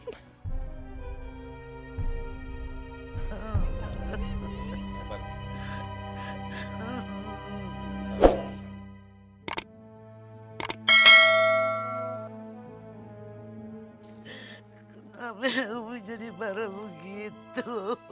kenapa ya umi jadi parah begitu